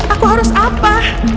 aku harus apa